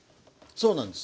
そうなんです。